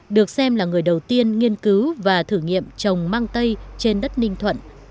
được xem là người đầu tiên nghiên cứu và thử nghiệm trồng mang tây trên đất ninh thuận